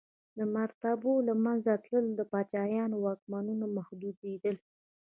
د مریتوب له منځه تلل د پاچاهانو واکونو محدودېدل.